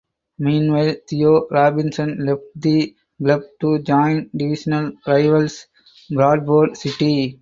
Meanwhile Theo Robinson left the club to join divisional rivals Bradford City.